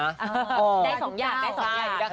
ได้สองอย่างค่ะ